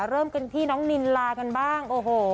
เริ่มกันที่น้องลิลากันบ้าง